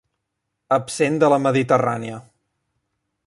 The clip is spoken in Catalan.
Absent de la Mediterrània.